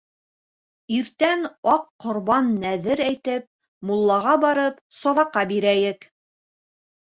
Иртән аҡ ҡорбан нәҙер әйтеп, муллаға барып саҙаҡа бирәйек.